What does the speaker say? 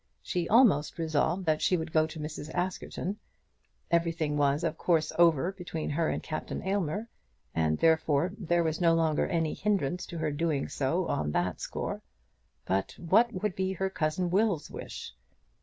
She almost resolved that she would go to Mrs. Askerton. Everything was of course over between her and Captain Aylmer, and therefore there was no longer any hindrance to her doing so on that score. But what would be her cousin Will's wish?